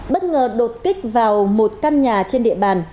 bất ngờ đột kích vào một căn nhà trên địa bàn